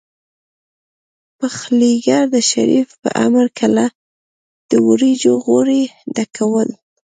پخليګر د شريف په امر کله د وريجو غوري ډکول.